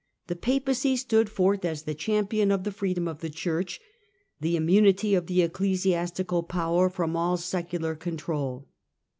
the Papacy stood forth as the champion of the " freedom of the Church," the immunity of the ecclesiastical power from all secular con trol.